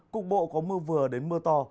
cục bộ có mưa vừa đến mưa to